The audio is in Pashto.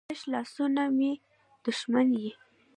تشه لاسو ته مې دښمن یې.